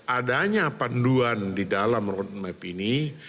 adanya panduan di dalam roadmap ini